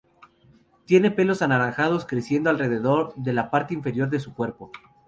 Tiene pelos anaranjados creciendo alrededor de la parte inferior de su cuerpo.